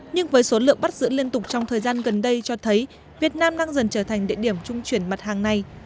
nhưng với số lượng bắt giữ liên tục trong thời gian gần đây cho thấy việt nam đang dần trở thành địa điểm trung chuyển mặt hàng này